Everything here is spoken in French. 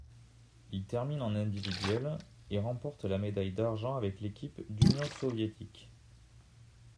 Il termine en individuel, et remporte la médaille d'argent avec l'équipe d'Union soviétique.